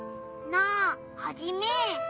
なあハジメ！